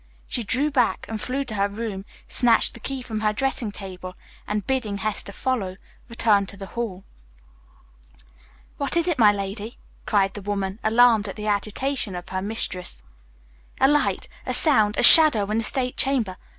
She drew back and flew to her room, snatched the key from her dressing table, and, bidding Hester follow, returned to the hall. "What is it, my lady?" cried the woman, alarmed at the agitation of her mistress. "A light, a sound, a shadow in the state chamber.